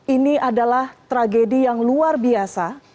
ini adalah tragedi yang luar biasa